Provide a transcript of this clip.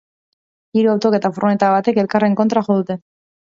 Hiru autok eta furgoneta batek elkarren kontra jo dute.